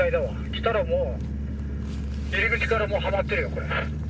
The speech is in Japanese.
来たらもう入り口からもうハマってるよこれ」。